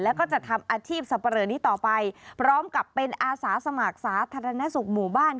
แล้วก็จะทำอาชีพสับปะเลอนี้ต่อไปพร้อมกับเป็นอาสาสมัครสาธารณสุขหมู่บ้าน